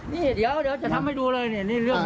เดี๋ยวจะทำให้ดูเลยนี่เรื่องของเรื่อง